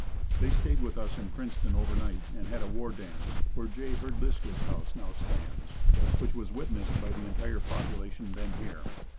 They stayed with us in Princeton over night and had a war dance where Jay Herdliska's house now stands, which was witnessed by the entire population then here.